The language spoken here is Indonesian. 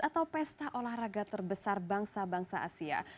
atau pesta olahraga terbesar bangsa bangsa asia